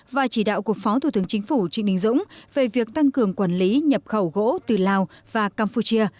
và chỉ đạo của phó thủ tướng chính phủ trịnh đình dũng về việc tăng cường quản lý nhập khẩu gỗ từ lào và campuchia